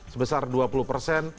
sebesar dua puluh persen